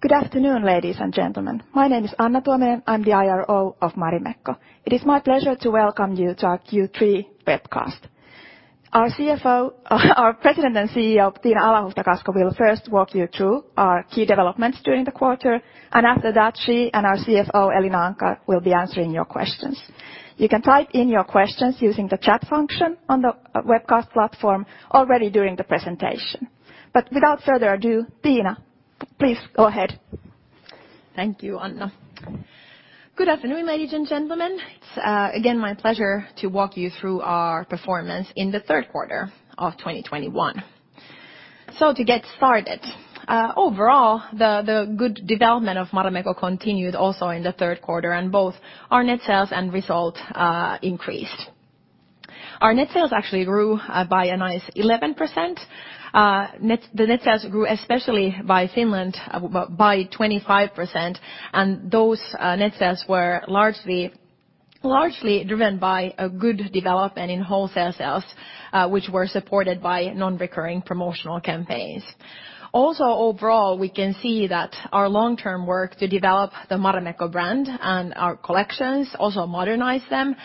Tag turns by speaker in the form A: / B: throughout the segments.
A: Good afternoon, ladies and gentlemen. My name is Anna Tuominen. I'm the IRO of Marimekko. It is my pleasure to welcome you to our Q3 webcast. Our President and CEO, Tiina Alahuhta-Kasko, will first walk you through our key developments during the quarter, and after that, she and our CFO, Elina Anckar, will be answering your questions. You can type in your questions using the chat function on the webcast platform already during the presentation. Without further ado, Tiina, please go ahead.
B: Thank you, Anna. Good afternoon, ladies and gentlemen. It's again my pleasure to walk you through our performance in the third quarter of 2021. To get started, overall the good development of Marimekko continued also in the third quarter, and both our net sales and result increased. Our net sales actually grew by a nice 11%. The net sales grew, especially in Finland, by 25%, and those net sales were largely driven by a good development in wholesale sales, which were supported by non-recurring promotional campaigns. Also, overall, we can see that our long-term work to develop the Marimekko brand and our collections, also modernize them,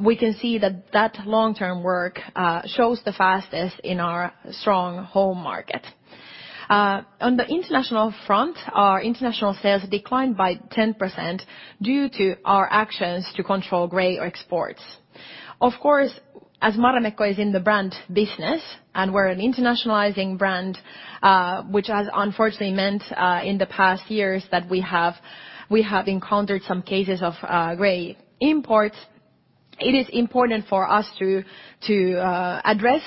B: we can see that that long-term work shows the fastest in our strong home market. On the international front, our international sales declined by 10% due to our actions to control gray exports. Of course, as Marimekko is in the brand business and we're an internationalizing brand, which has unfortunately meant, in the past years that we have encountered some cases of gray imports, it is important for us to address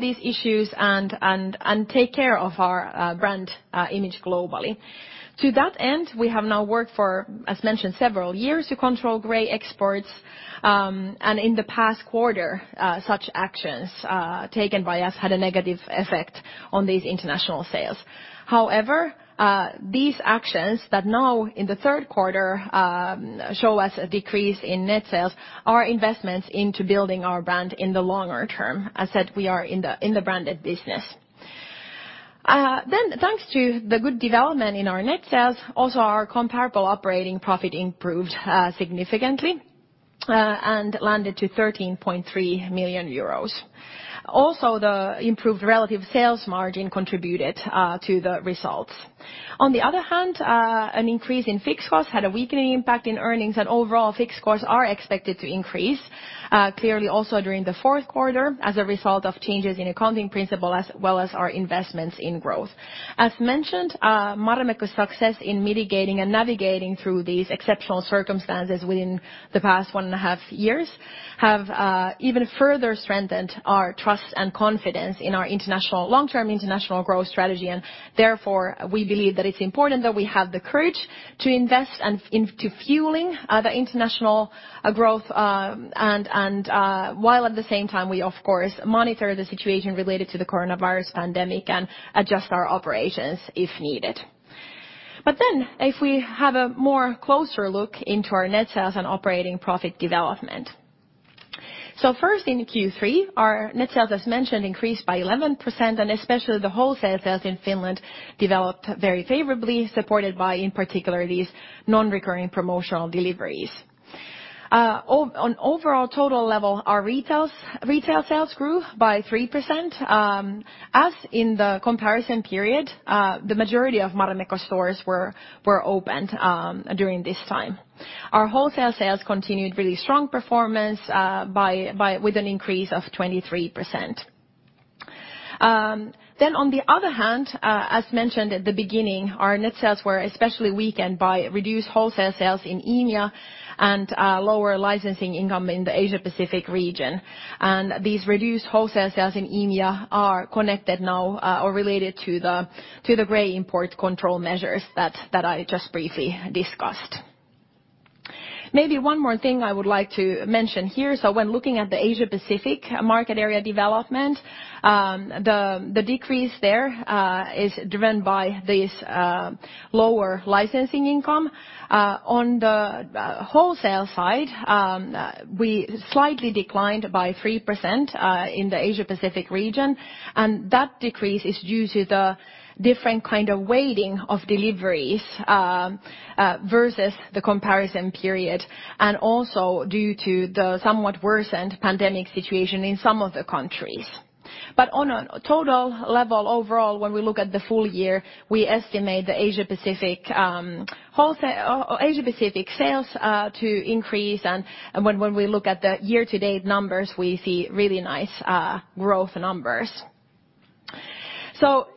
B: these issues and take care of our brand image globally. To that end, we have now worked for, as mentioned, several years to control gray exports, and in the past quarter, such actions taken by us had a negative effect on these international sales. However, these actions that now in the third quarter show us a decrease in net sales are investments into building our brand in the longer term. I said we are in the branded business. Thanks to the good development in our net sales, also our comparable operating profit improved significantly and landed to 13.3 million euros. Also, the improved relative sales margin contributed to the results. On the other hand, an increase in fixed costs had a weakening impact in earnings, and overall, fixed costs are expected to increase clearly also during the fourth quarter as a result of changes in accounting principle as well as our investments in growth. As mentioned, Marimekko's success in mitigating and navigating through these exceptional circumstances within the past one and a half years have even further strengthened our trust and confidence in our long-term international growth strategy. Therefore, we believe that it's important that we have the courage to invest into fueling the international growth, and while at the same time we of course monitor the situation related to the coronavirus pandemic and adjust our operations if needed. If we have a more closer look into our net sales and operating profit development. First in Q3, our net sales, as mentioned, increased by 11%, and especially the wholesale sales in Finland developed very favorably, supported by in particular these non-recurring promotional deliveries. On overall total level, our retail sales grew by 3%. As in the comparison period, the majority of Marimekko stores were opened during this time. Our wholesale sales continued really strong performance with an increase of 23%. On the other hand, as mentioned at the beginning, our net sales were especially weakened by reduced wholesale sales in EMEA and lower licensing income in the Asia Pacific region, and these reduced wholesale sales in EMEA are connected now or related to the gray import control measures that I just briefly discussed. Maybe one more thing I would like to mention here. When looking at the Asia Pacific market area development, the decrease there is driven by this lower licensing income. On the wholesale side, we slightly declined by 3% in the Asia Pacific region, and that decrease is due to the different kind of weighting of deliveries versus the comparison period and also due to the somewhat worsened pandemic situation in some of the countries. On a total level overall, when we look at the full-year, we estimate the Asia Pacific wholesale or Asia Pacific sales to increase. When we look at the year-to-date numbers, we see really nice growth numbers.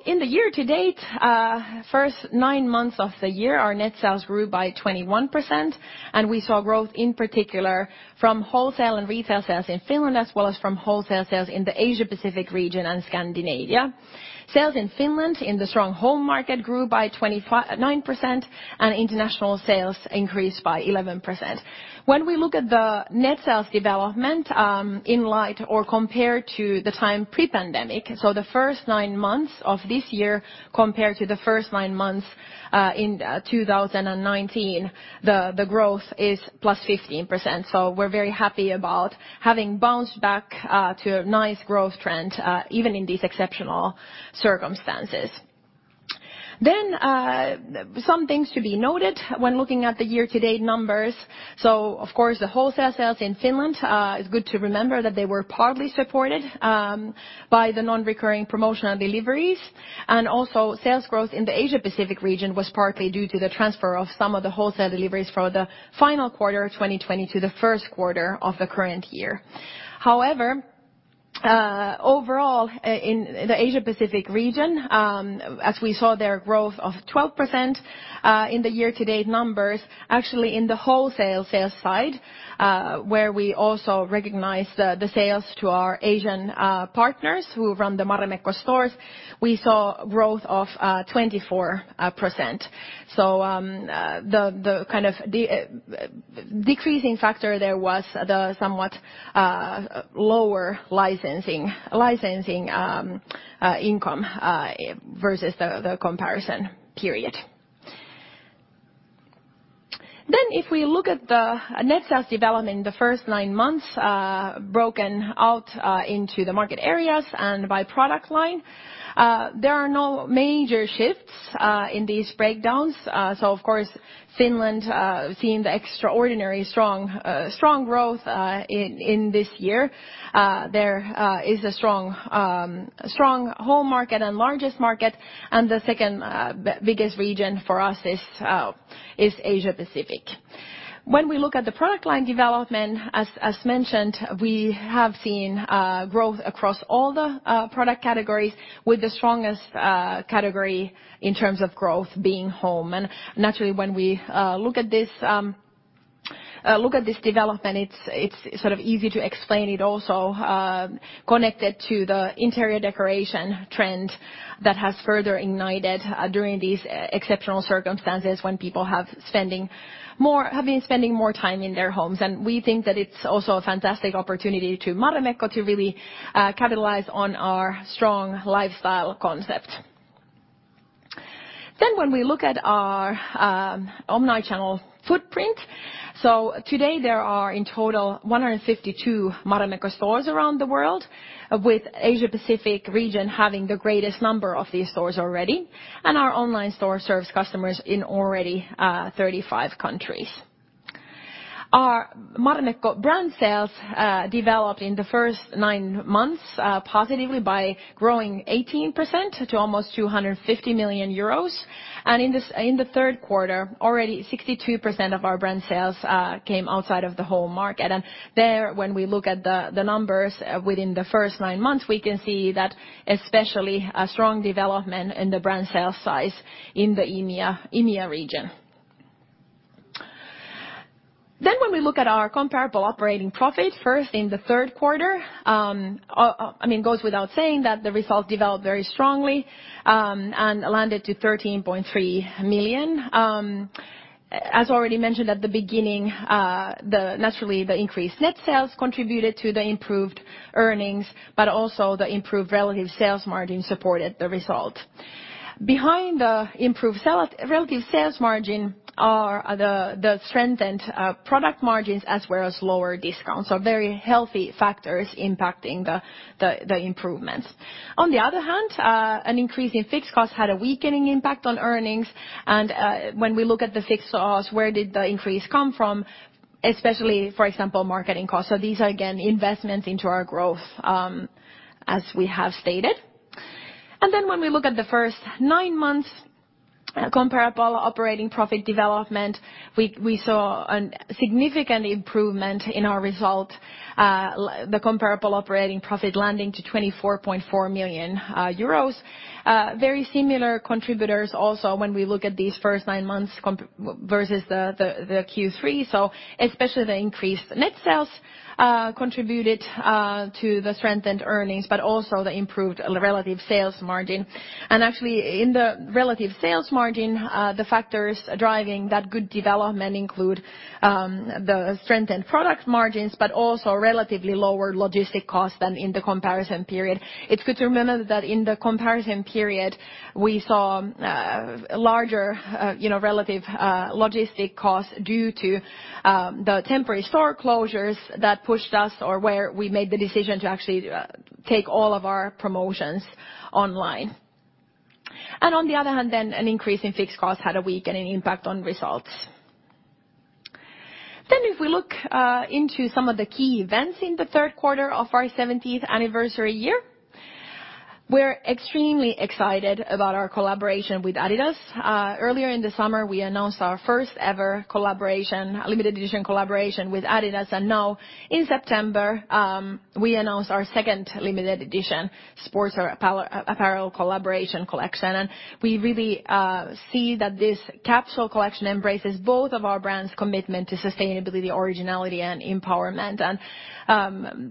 B: In the year-to-date, first nine months of the year, our net sales grew by 21%, and we saw growth in particular from wholesale and retail sales in Finland, as well as from wholesale sales in the Asia Pacific region and Scandinavia. Sales in Finland in the strong home market grew by 29%, and international sales increased by 11%. When we look at the net sales development, in light of compared to the time pre-pandemic, the first nine months of this year compared to the first nine months in 2019, the growth is +15%. We're very happy about having bounced back to a nice growth trend even in these exceptional circumstances. Some things to be noted when looking at the year-to-date numbers. Of course, the wholesale sales in Finland is good to remember that they were partly supported by the non-recurring promotional deliveries. Sales growth in the Asia Pacific region was partly due to the transfer of some of the wholesale deliveries for the final quarter of 2020 to the first quarter of the current year. However, overall in the Asia Pacific region, as we saw there, growth of 12% in the year-to-date numbers, actually in the wholesale sales side, where we also recognized the sales to our Asian partners who run the Marimekko stores, we saw growth of 24%. The kind of decreasing factor there was the somewhat lower licensing income versus the comparison period. If we look at the net sales development in the first nine months, broken out into the market areas and by product line, there are no major shifts in these breakdowns. Of course, Finland seeing the extraordinary strong growth in this year, there is a strong home market and largest market. The second biggest region for us is Asia Pacific. When we look at the product line development, as mentioned, we have seen growth across all the product categories, with the strongest category in terms of growth being home. Naturally, when we look at this development, it's sort of easy to explain it also connected to the interior decoration trend that has further ignited during these exceptional circumstances when people have been spending more time in their homes. We think that it's also a fantastic opportunity to Marimekko to really capitalize on our strong lifestyle concept. When we look at our omni-channel footprint, so today there are in total 152 Marimekko stores around the world, with Asia Pacific region having the greatest number of these stores already. Our online store serves customers in already 35 countries. Our Marimekko brand sales developed in the first nine months positively by growing 18% to almost 250 million euros. In the third quarter, 62% of our brand sales came outside of the home market. There, when we look at the numbers within the first nine months, we can see that especially a strong development in the brand sales size in the EMEA region. When we look at our comparable operating profit, first in the third quarter, I mean, it goes without saying that the results developed very strongly, and landed at 13.3 million. As already mentioned at the beginning, naturally, the increased net sales contributed to the improved earnings, but also the improved relative sales margin supported the result. Behind the improved relative sales margin are the strengthened product margins, as well as lower discounts. Very healthy factors impacting the improvements. On the other hand, an increase in fixed costs had a weakening impact on earnings. When we look at the fixed costs, where did the increase come from? Especially, for example, marketing costs. These are again investments into our growth, as we have stated. When we look at the first nine months comparable operating profit development, we saw a significant improvement in our result, the comparable operating profit landing to 24.4 million euros. Very similar contributors also when we look at these first nine months versus the Q3. Especially the increased net sales contributed to the strengthened earnings, but also the improved relative sales margin. Actually, in the relative sales margin, the factors driving that good development include the strengthened product margins, but also relatively lower logistic costs than in the comparison period. It's good to remember that in the comparison period, we saw larger, you know, relative logistics costs due to the temporary store closures that pushed us or where we made the decision to actually take all of our promotions online. On the other hand then, an increase in fixed costs had a weakening impact on results. If we look into some of the key events in the third quarter of our 17th anniversary year, we're extremely excited about our collaboration with Adidas. Earlier in the summer, we announced our first ever collaboration, limited edition collaboration with Adidas. Now in September, we announced our second limited edition sportswear apparel collaboration collection. We really see that this capsule collection embraces both of our brands' commitment to sustainability, originality, and empowerment.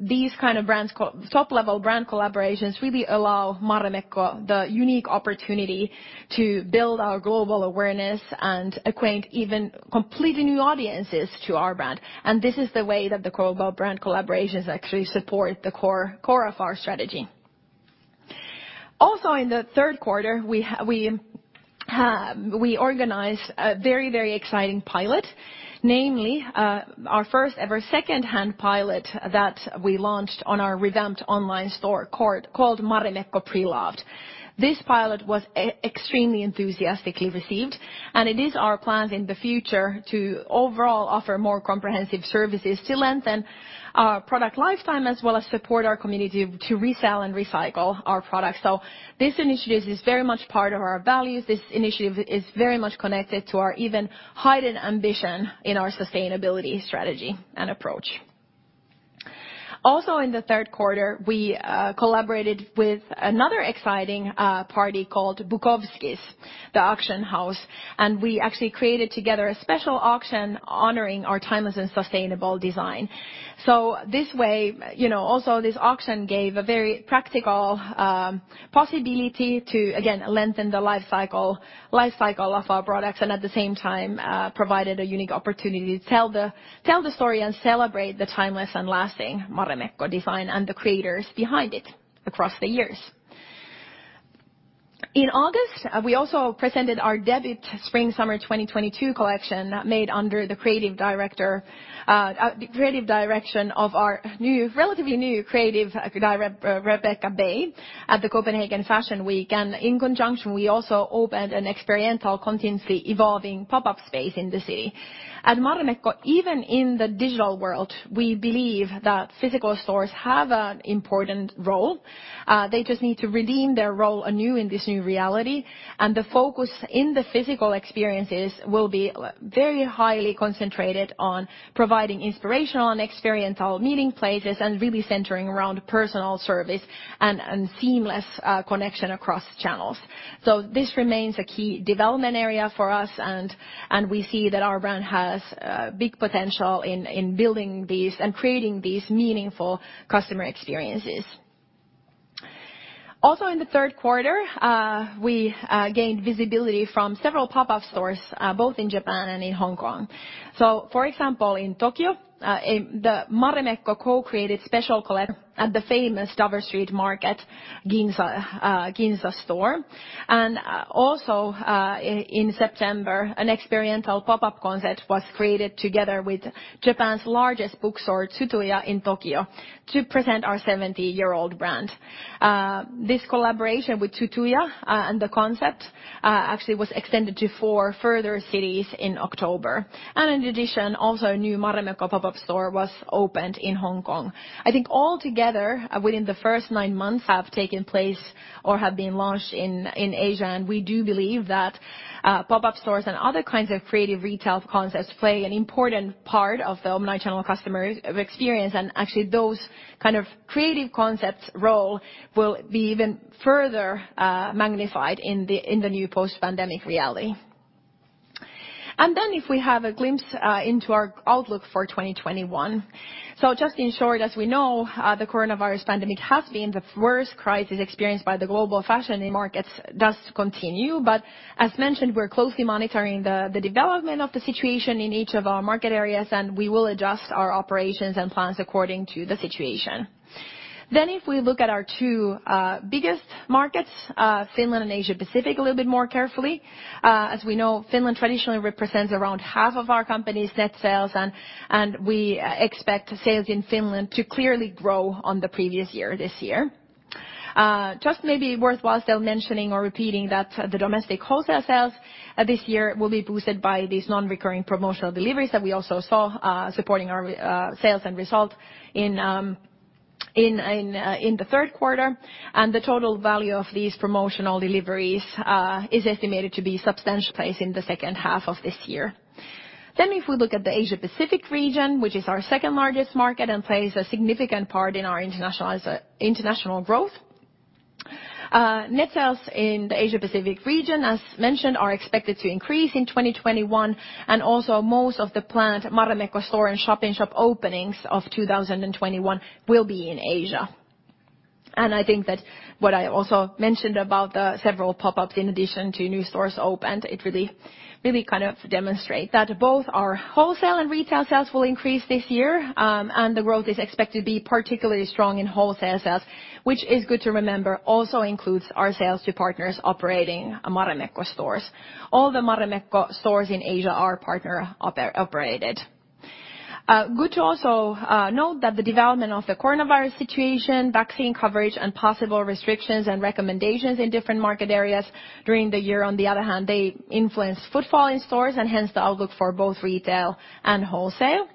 B: These kind of brands top-level brand collaborations really allow Marimekko the unique opportunity to build our global awareness and acquaint even completely new audiences to our brand. This is the way that the global brand collaborations actually support the core of our strategy. Also in the third quarter, we organize a very exciting pilot, namely, our first ever secondhand pilot that we launched on our revamped online store called Marimekko Pre-loved. This pilot was extremely enthusiastically received, and it is our plan in the future to overall offer more comprehensive services to lengthen our product lifetime, as well as support our community to resell and recycle our products. This initiative is very much part of our values. This initiative is very much connected to our even heightened ambition in our sustainability strategy and approach. Also, in the third quarter, we collaborated with another exciting party called Bukowskis, the auction house, and we actually created together a special auction honoring our timeless and sustainable design. This way, you know, also this auction gave a very practical possibility to again lengthen the life cycle of our products and at the same time provided a unique opportunity to tell the story and celebrate the timeless and lasting Marimekko design and the creators behind it across the years. In August, we also presented our debut Spring/Summer 2022 collection made under the creative direction of our relatively new creative director Rebekka Bay at the Copenhagen Fashion Week. In conjunction, we also opened an experiential, continuously evolving pop-up space in the city. At Marimekko, even in the digital world, we believe that physical stores have an important role. They just need to redeem their role anew in this new reality, and the focus in the physical experiences will be very highly concentrated on providing inspirational and experiential meeting places and really centering around personal service and seamless connection across channels. This remains a key development area for us, and we see that our brand has big potential in building these and creating these meaningful customer experiences. Also, in the third quarter, we gained visibility from several pop-up stores both in Japan and in Hong Kong. For example, in Tokyo, in the Marimekko co-created special collab at the famous Dover Street Market Ginza store. Also, in September, an experiential pop-up concept was created together with Japan's largest bookstore, Tsutaya, in Tokyo to present our 70-year-old brand. This collaboration with Tsutaya and the concept actually was extended to four further cities in October. In addition, also a new Marimekko pop-up store was opened in Hong Kong. I think all together within the first nine months have taken place or have been launched in Asia, and we do believe that pop-up stores and other kinds of creative retail concepts play an important part of the omni-channel customer experience. Actually, those kind of creative concepts role will be even further magnified in the new post-pandemic reality. If we have a glimpse into our outlook for 2021. Just in short, as we know, the coronavirus pandemic has been the worst crisis experienced by the global fashion markets and does continue. As mentioned, we're closely monitoring the development of the situation in each of our market areas, and we will adjust our operations and plans according to the situation. If we look at our two biggest markets, Finland and Asia Pacific, a little bit more carefully. As we know, Finland traditionally represents around half of our company's net sales, and we expect sales in Finland to clearly grow on the previous year this year. Just maybe worthwhile still mentioning or repeating that the domestic wholesale sales this year will be boosted by these non-recurring promotional deliveries that we also saw supporting our sales end result in the third quarter. The total value of these promotional deliveries is estimated to be at a substantial pace in the second half of this year. If we look at the Asia Pacific region, which is our second-largest market and plays a significant part in our international growth. Net sales in the Asia Pacific region, as mentioned, are expected to increase in 2021, and also most of the planned Marimekko store and shop-in-shop openings of 2021 will be in Asia. I think that what I also mentioned about the several pop-ups in addition to new stores opened, it really demonstrate that both our wholesale and retail sales will increase this year. The growth is expected to be particularly strong in wholesale sales, which is good to remember, also includes our sales to partners operating Marimekko stores. All the Marimekko stores in Asia are partner operated. Good to also note that the development of the coronavirus situation, vaccine coverage, and possible restrictions and recommendations in different market areas during the year, on the other hand, they influence footfall in stores and hence the outlook for both retail and wholesale.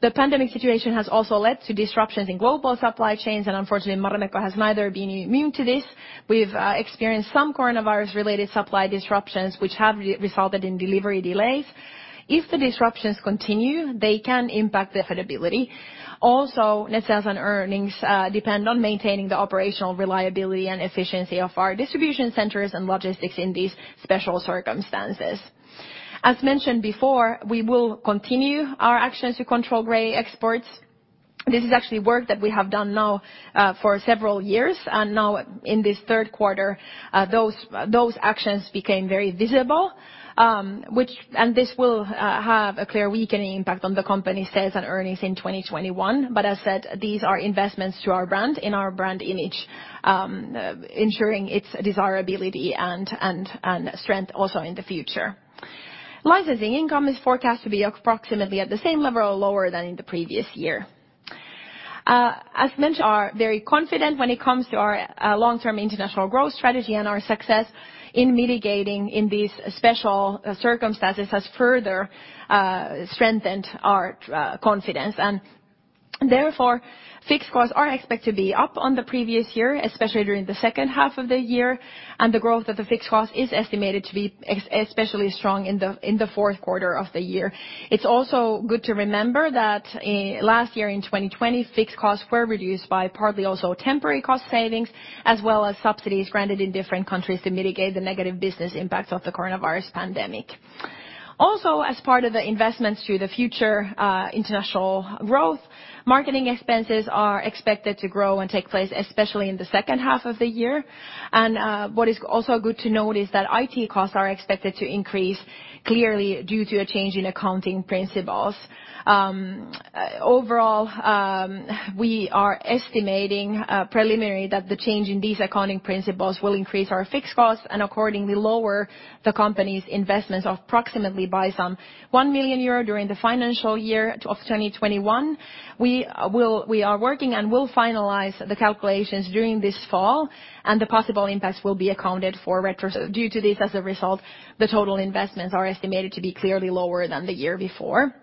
B: The pandemic situation has also led to disruptions in global supply chains, and unfortunately, Marimekko has neither been immune to this. We've experienced some coronavirus-related supply disruptions which have resulted in delivery delays. If the disruptions continue, they can impact the availability. Also, net sales and earnings depend on maintaining the operational reliability and efficiency of our distribution centers and logistics in these special circumstances. As mentioned before, we will continue our actions to control gray exports. This is actually work that we have done now for several years. Now in this third quarter, those actions became very visible, which will have a clear weakening impact on the company sales and earnings in 2021. As said, these are investments to our brand and our brand image, ensuring its desirability and strength also in the future. Licensing income is forecast to be approximately at the same level or lower than in the previous year. As mentioned, we are very confident when it comes to our long-term international growth strategy and our success in mitigating these special circumstances has further strengthened our confidence. Therefore, fixed costs are expected to be up on the previous year, especially during the second half of the year, and the growth of the fixed costs is estimated to be especially strong in the fourth quarter of the year. It's also good to remember that last year in 2020, fixed costs were reduced by partly also temporary cost savings, as well as subsidies granted in different countries to mitigate the negative business impacts of the coronavirus pandemic. Also, as part of the investments to the future international growth, marketing expenses are expected to grow and take place, especially in the second half of the year. What is also good to note is that IT costs are expected to increase clearly due to a change in accounting principles. Overall, we are estimating preliminary that the change in these accounting principles will increase our fixed costs and accordingly lower the company's investments approximately by 1 million euro during the financial year of 2021. We are working and will finalize the calculations during this fall, and the possible impacts will be accounted for retrospectively. Due to this as a result, the total investments are estimated to be clearly lower than the year before.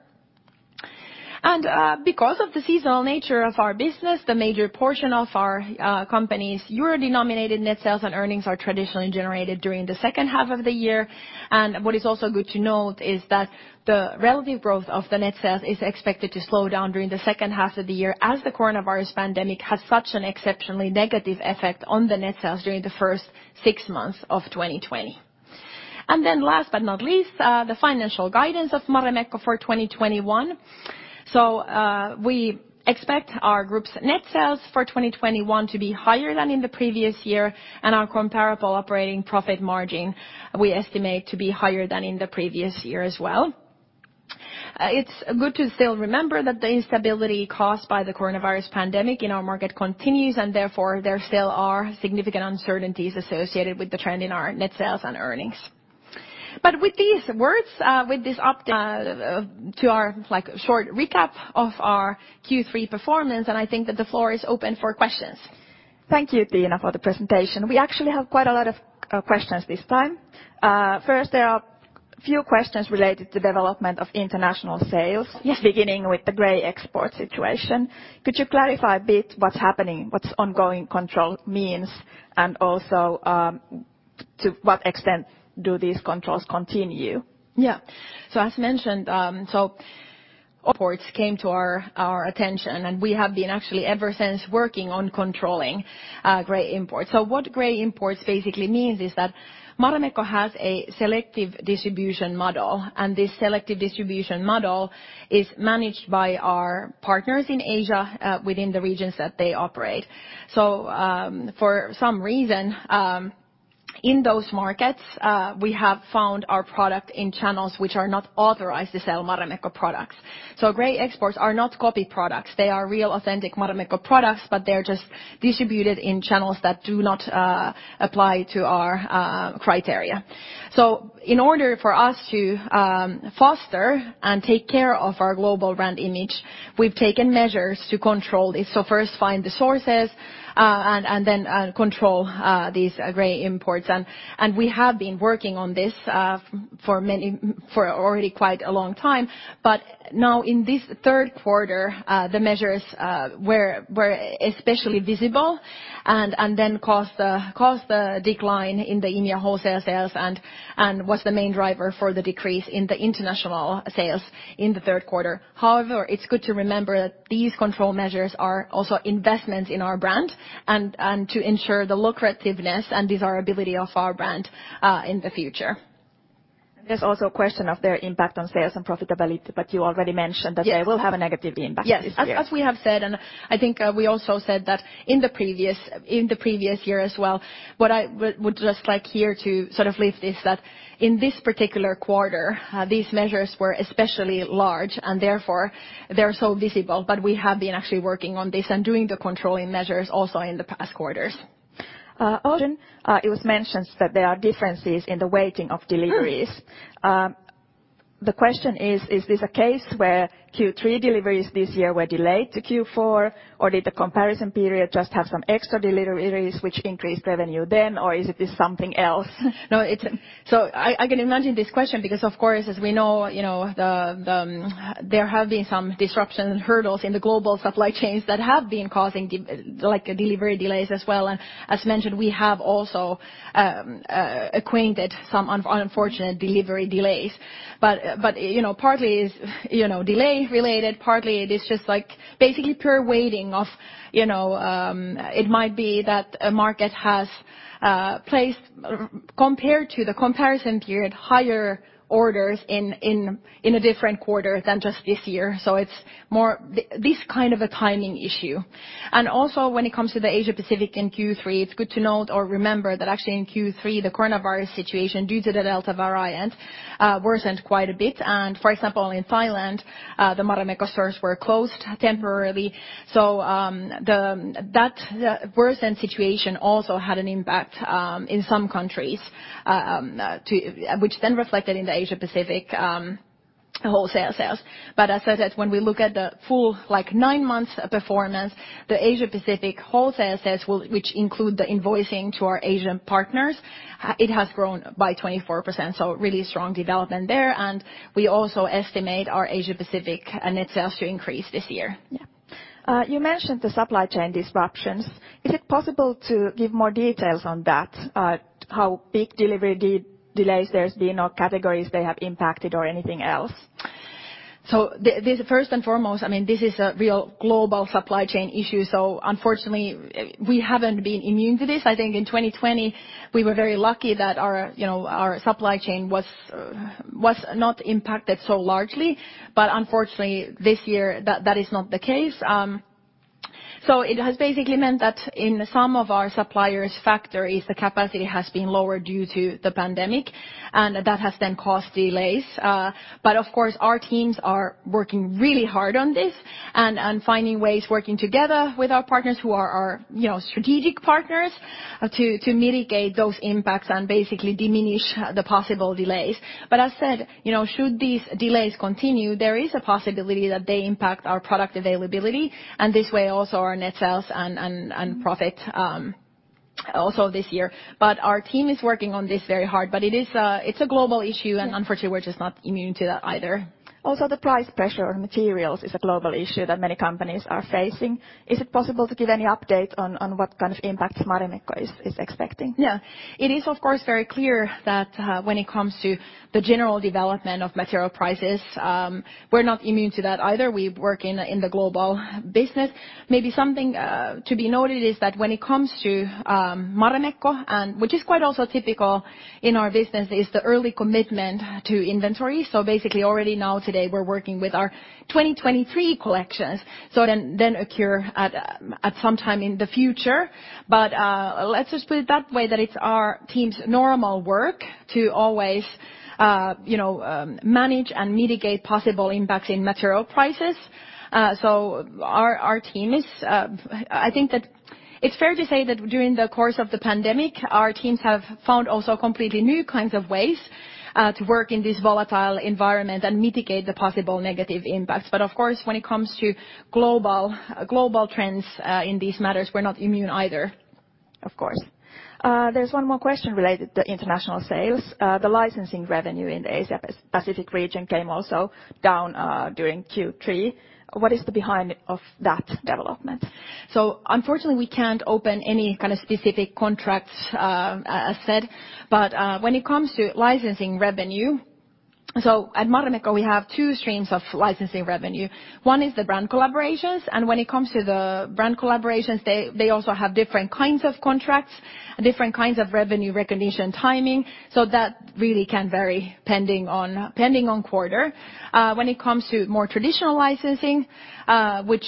B: Because of the seasonal nature of our business, the major portion of our company's euro-denominated net sales and earnings are traditionally generated during the second half of the year. What is also good to note is that the relative growth of the net sales is expected to slow down during the second half of the year, as the coronavirus pandemic has such an exceptionally negative effect on the net sales during the first six months of 2020. Last but not least, the financial guidance of Marimekko for 2021. We expect our group's net sales for 2021 to be higher than in the previous year, and our comparable operating profit margin we estimate to be higher than in the previous year as well. It's good to still remember that the instability caused by the coronavirus pandemic in our market continues, and therefore there still are significant uncertainties associated with the trend in our net sales and earnings. With these words, with this update to our, like, short recap of our Q3 performance, and I think that the floor is open for questions.
A: Thank you, Tiina Alahuhta-Kasko, for the presentation. We actually have quite a lot of questions this time. First, there are few questions related to development of international sales.
B: Yes.
A: Beginning with the gray export situation. Could you clarify a bit what's happening, what's ongoing control means, and also, to what extent do these controls continue?
B: Yeah. As mentioned, imports came to our attention, and we have been actually ever since working on controlling gray imports. What gray imports basically means is that Marimekko has a selective distribution model, and this selective distribution model is managed by our partners in Asia within the regions that they operate. For some reason, in those markets, we have found our product in channels which are not authorized to sell Marimekko products. Gray exports are not copy products. They are real, authentic Marimekko products, but they're just distributed in channels that do not apply to our criteria. In order for us to foster and take care of our global brand image, we've taken measures to control this. First, find the sources, and then control these gray imports. We have been working on this for many already quite a long time. Now in this third quarter, the measures were especially visible and then caused a decline in the EMEA wholesale sales and was the main driver for the decrease in the international sales in the third quarter. However, it's good to remember that these control measures are also investments in our brand and to ensure the lucrativeness and desirability of our brand in the future.
A: There's also a question of their impact on sales and profitability, but you already mentioned that.
B: Yes.
A: They will have a negative impact this year.
B: Yes. As we have said, and I think we also said that in the previous year as well, what I would just like here to sort of leave it at that in this particular quarter, these measures were especially large, and therefore they're so visible. But we have been actually working on this and doing the controlling measures also in the past quarters.
A: It was mentioned that there are differences in the weighting of deliveries. The question is this a case where Q3 deliveries this year were delayed to Q4, or did the comparison period just have some extra deliveries which increased revenue then, or is it just something else?
B: No, it's. I can imagine this question because, of course, as we know, you know, there have been some disruptions and hurdles in the global supply chains that have been causing delivery delays as well. As mentioned, we have also encountered some unfortunate delivery delays. You know, partly it's delay related, partly it is just, like, basically pure waiting of, you know, it might be that a market has placed, compared to the comparison period, higher orders in a different quarter than just this year. It's more this kind of a timing issue. Also when it comes to the Asia Pacific in Q3, it's good to note or remember that actually in Q3, the coronavirus situation, due to the Delta variant, worsened quite a bit. For example, in Thailand, the Marimekko stores were closed temporarily. That worsened situation also had an impact in some countries, which then reflected in the Asia Pacific wholesale sales. As I said, when we look at the full, like, nine months performance, the Asia Pacific wholesale sales, which include the invoicing to our Asian partners, it has grown by 24%, so really strong development there. We also estimate our Asia Pacific net sales to increase this year.
A: Yeah. You mentioned the supply chain disruptions. Is it possible to give more details on that, how big delivery delays there've been or categories they have impacted or anything else?
B: This, first and foremost, I mean, this is a real global supply chain issue, so unfortunately we haven't been immune to this. I think in 2020 we were very lucky that our, you know, our supply chain was not impacted so largely. Unfortunately, this year that is not the case. It has basically meant that in some of our suppliers' factories, the capacity has been lower due to the pandemic, and that has then caused delays. Of course, our teams are working really hard on this and finding ways working together with our partners who are our, you know, strategic partners to mitigate those impacts and basically diminish the possible delays. As said, you know, should these delays continue, there is a possibility that they impact our product availability, and this way also our net sales and profit, also this year. Our team is working on this very hard. It's a global issue, and unfortunately we're just not immune to that either.
A: Also, the price pressure on materials is a global issue that many companies are facing. Is it possible to give any update on what kind of impacts Marimekko is expecting?
B: Yeah. It is of course very clear that, when it comes to the general development of material prices, we're not immune to that either. We work in the global business. Maybe something to be noted is that when it comes to Marimekko, which is quite also typical in our business, is the early commitment to inventory. Basically already now today we're working with our 2023 collections, so then occur at some time in the future. Let's just put it that way, that it's our team's normal work to always, you know, manage and mitigate possible impacts in material prices, so our team is, I think that it's fair to say that during the course of the pandemic, our teams have found also completely new kinds of ways to work in this volatile environment and mitigate the possible negative impacts. Of course, when it comes to global trends, in these matters, we're not immune either.
A: Of course. There's one more question related to international sales. The licensing revenue in the Asia Pacific region also came down during Q3. What is behind that development?
B: Unfortunately, we can't open any kind of specific contracts, as said. When it comes to licensing revenue, at Marimekko, we have two streams of licensing revenue. One is the brand collaborations, and when it comes to the brand collaborations, they also have different kinds of contracts, different kinds of revenue recognition timing, so that really can vary depending on quarter. When it comes to more traditional licensing, which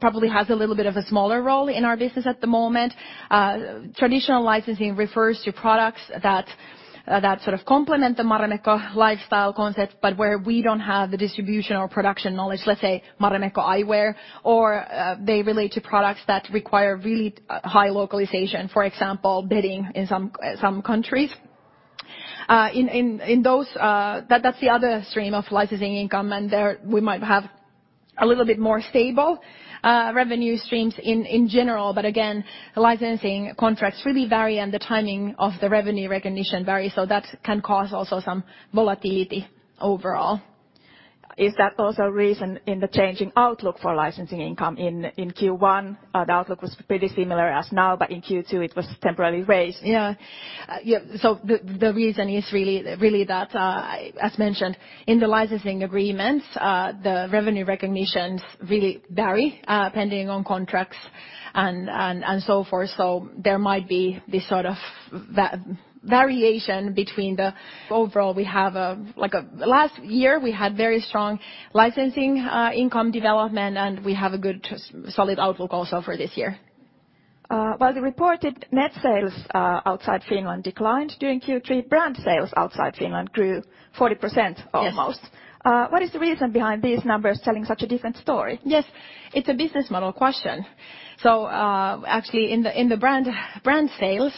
B: probably has a little bit of a smaller role in our business at the moment, traditional licensing refers to products that sort of complement the Marimekko lifestyle concept, but where we don't have the distribution or production knowledge. Let's say Marimekko eyewear or they relate to products that require really high localization, for example, bedding in some countries. In those, that's the other stream of licensing income, and there we might have a little bit more stable revenue streams in general. Again, licensing contracts really vary, and the timing of the revenue recognition varies, so that can cause also some volatility overall.
A: Is that also a reason in the changing outlook for licensing income in Q1? The outlook was pretty similar as now, but in Q2 it was temporarily raised.
B: The reason is really that, as mentioned in the licensing agreements, the revenue recognitions really vary depending on contracts and so forth. There might be this sort of variation between them. Overall, last year we had very strong licensing income development, and we have a good, solid outlook also for this year.
A: While the reported net sales outside Finland declined during Q3, brand sales outside Finland grew 40% almost.
B: Yes.
A: What is the reason behind these numbers telling such a different story?
B: Yes. It's a business model question. Actually, in the brand sales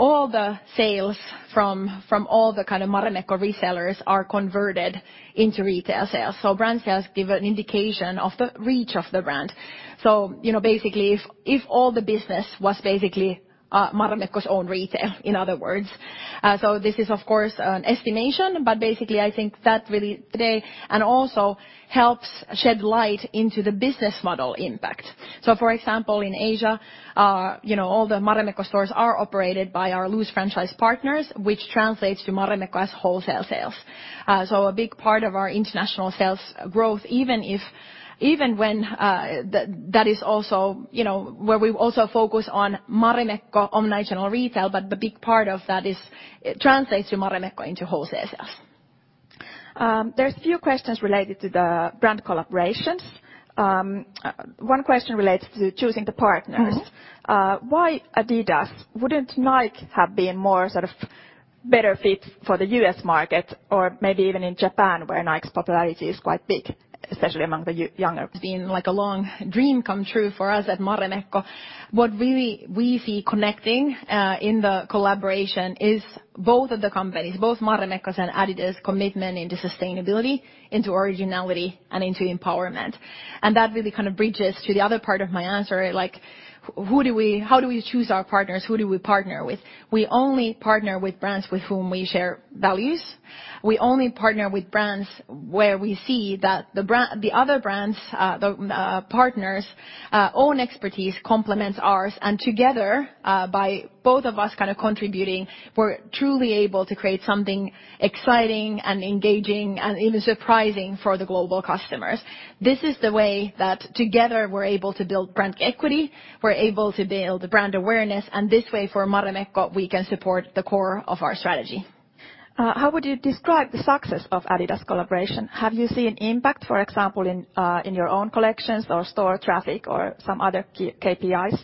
B: all the sales from all the kind of Marimekko resellers are converted into retail sales. Brand sales give an indication of the reach of the brand. You know, basically if all the business was basically Marimekko's own retail, in other words. This is, of course, an estimation, but basically I think that really today and also helps shed light into the business model impact. For example, in Asia, you know, all the Marimekko stores are operated by our loose franchise partners, which translates to Marimekko as wholesale sales. A big part of our international sales growth even when that is also, you know, where we also focus on Marimekko omni-channel retail. The big part of that is it translates to Marimekko into wholesale sales.
A: There's few questions related to the brand collaborations. One question relates to choosing the partners.
B: Mm-hmm.
A: Why Adidas? Wouldn't Nike have been more sort of better fit for the U.S. market or maybe even in Japan where Nike's popularity is quite big, especially among the younger-
B: It's been like a long dream come true for us at Marimekko. What really we see connecting in the collaboration is both of the companies, both Marimekko's and Adidas' commitment into sustainability, into originality, and into empowerment. That really kind of bridges to the other part of my answer, like how do we choose our partners? Who do we partner with? We only partner with brands with whom we share values. We only partner with brands where we see that the other brands, the partners' own expertise complements ours, and together, by both of us kind of contributing, we're truly able to create something exciting and engaging and even surprising for the global customers. This is the way that together we're able to build brand equity, we're able to build brand awareness, and this way for Marimekko we can support the core of our strategy.
A: How would you describe the success of Adidas collaboration? Have you seen impact, for example, in your own collections or store traffic or some other KPIs?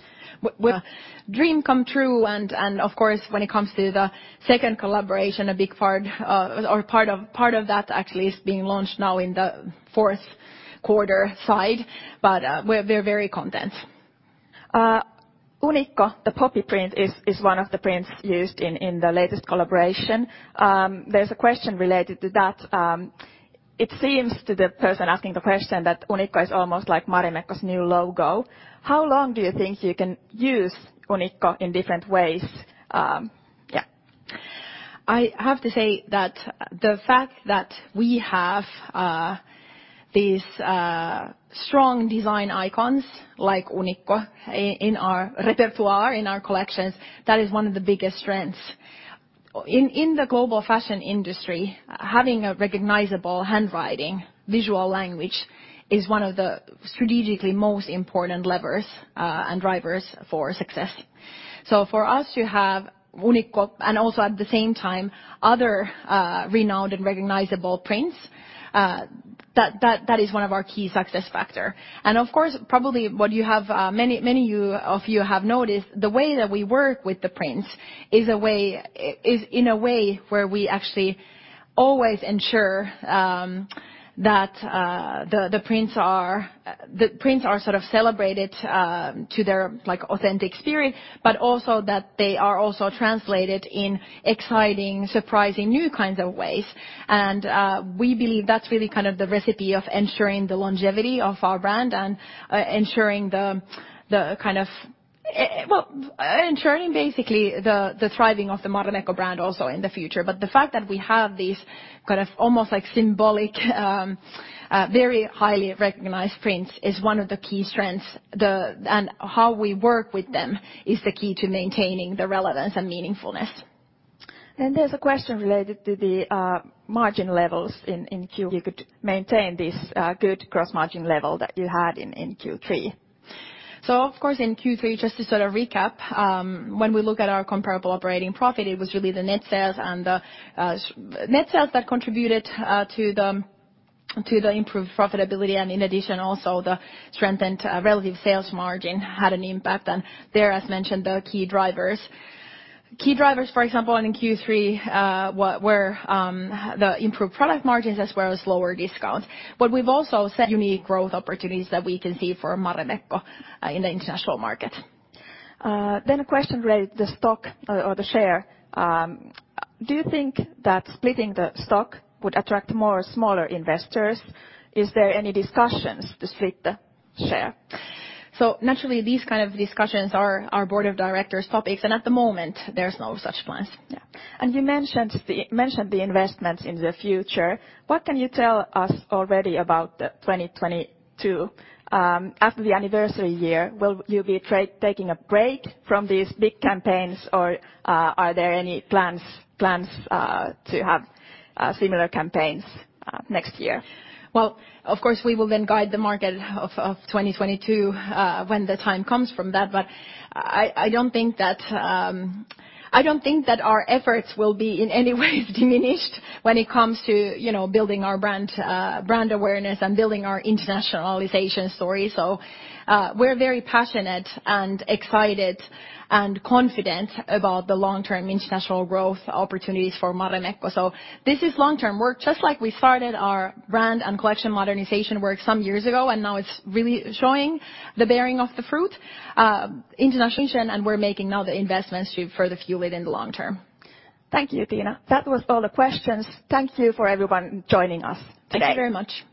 B: Well, dream come true and of course, when it comes to the second collaboration, a big part of that actually is being launched now in the fourth quarter side. We're very content.
A: Unikko, the poppy print, is one of the prints used in the latest collaboration. There's a question related to that. It seems to the person asking the question that Unikko is almost like Marimekko's new logo. How long do you think you can use Unikko in different ways? Yeah.
B: I have to say that the fact that we have these strong design icons like Unikko in our repertoire, in our collections, that is one of the biggest strengths. In the global fashion industry, having a recognizable handwriting, visual language, is one of the strategically most important levers and drivers for success. For us to have Unikko and also at the same time other renowned and recognizable prints, that is one of our key success factor. Of course, probably what you have, many of you have noticed, the way that we work with the prints is a way, is in a way where we actually always ensure, that, the prints are sort of celebrated, to their, like, authentic spirit, but also that they are also translated in exciting, surprising new kinds of ways. We believe that's really kind of the recipe of ensuring the longevity of our brand and, ensuring the kind of, well ensuring basically the thriving of the Marimekko brand also in the future. But the fact that we have these kind of almost like symbolic, very highly recognized prints is one of the key strengths. How we work with them is the key to maintaining the relevance and meaningfulness.
A: There's a question related to the margin levels in Q-
B: You could maintain this good gross margin level that you had in Q3. Of course, in Q3, just to sort of recap, when we look at our comparable operating profit, it was really the net sales that contributed to the improved profitability and in addition also the strengthened relative sales margin had an impact. There, as mentioned, the key drivers, for example, in Q3, were the improved product margins as well as lower discounts. What we've also said unique growth opportunities that we can see for Marimekko in the international market.
A: A question related to the stock or the share. Do you think that splitting the stock would attract more smaller investors? Is there any discussions to split the share?
B: Naturally, these kind of discussions are our Board of Directors topics, and at the moment there's no such plans. Yeah.
A: You mentioned the investments in the future. What can you tell us already about the 2022 after the anniversary year? Will you be taking a break from these big campaigns, or, are there any plans to have similar campaigns next year?
B: Well, of course, we will then guide the market of 2022 when the time comes from that. I don't think that our efforts will be in any way diminished when it comes to, you know, building our brand awareness and building our internationalization story. We're very passionate and excited and confident about the long-term international growth opportunities for Marimekko. This is long-term work. Just like we started our brand and collection modernization work some years ago and now it's really bearing fruit, internationalization, and we're making now the investments to further fuel it in the long term.
A: Thank you, Tiina. That was all the questions. Thank you for everyone joining us today.
B: Thank you very much.